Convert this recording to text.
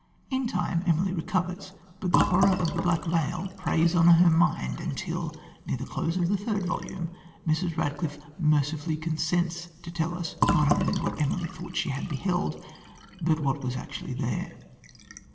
In time Emily recovers, but the horror of the Black Veil preys on her mind until, near the close of the third volume, Mrs. Radcliffe mercifully consents to tell us not only what Emily thought that she beheld, but what was actually there.